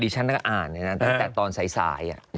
ฉันก็อ่านเลยนะตั้งแต่ตอนสาย